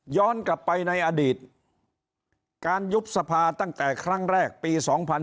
กลับไปในอดีตการยุบสภาตั้งแต่ครั้งแรกปี๒๕๕๙